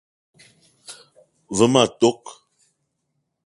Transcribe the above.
Ve ma tok :